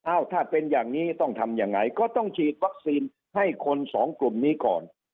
ถ้าเป็นอย่างนี้ต้องทำยังไงก็ต้องฉีดวัคซีนให้คนสองกลุ่มนี้ก่อน